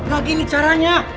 gak gini caranya